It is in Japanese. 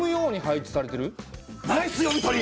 ナイス読み取り！